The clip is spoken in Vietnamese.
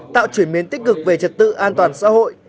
tạo chuyển biến tích cực về trật tự an toàn xã hội